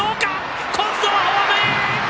今度はホームイン！